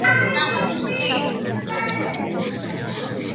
სამხრეთი შესასვლელის ფორმა დაზიანების გამო არ იკითხება.